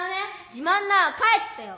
自まんなら帰ってよ！